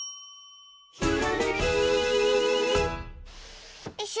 「ひらめき」よいしょ。